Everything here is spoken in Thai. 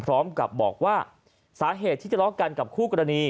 พร้อมกับบอกว่าสาเหตุที่ทะเลาะกันกับคู่กรณี